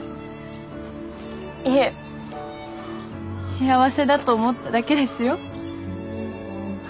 いえ幸せだと思っただけですよ。